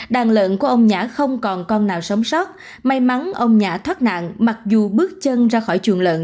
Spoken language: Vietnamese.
đàn lợn của ông nhã không còn con nào sống sót may mắn ông nhã thoát nạn mặc dù bước chân ra khỏi chuồng lợn